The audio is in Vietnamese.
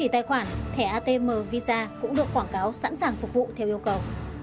tài khoản thẻ atm visa cũng được quảng cáo sẵn sàng phục vụ theo yêu cầu